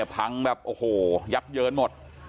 พังแบบโอ้โหยับเยินหมด